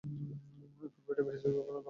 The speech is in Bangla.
এরপূর্বে ডায়াবেটিস রোগে আক্রান্ত হন।